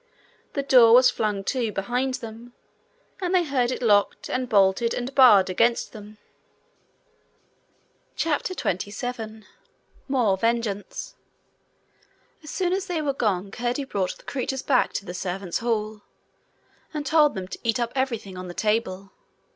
The door was flung to behind them, and they heard it locked and bolted and barred against them. CHAPTER 27 More Vengeance As soon as they were gone, Curdie brought the creatures back to the servants' hall, and told them to eat up everything on the table.